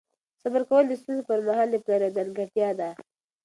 صبر کول د ستونزو پر مهال د پلار یوه ځانګړتیا ده.